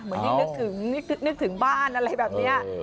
เหมือนยังคิดนึกถึงนึกถึงบ้านอะไรแบบเนี้ย